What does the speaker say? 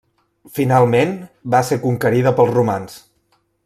Finalment, va ser conquerida pels romans.